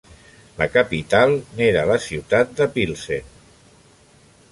La capital n'era la ciutat de Plzeň.